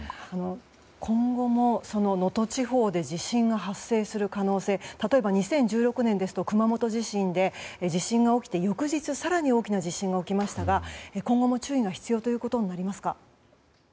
今後も能登地方で地震が発生する可能性は例えば２０１６年ですと熊本地震で地震が起きた翌日に更に大きな地震が起きましたが今後も注意が必要となりますか？